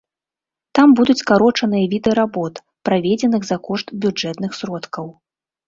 Там будуць скарочаныя віды работ, праведзеных за кошт бюджэтных сродкаў.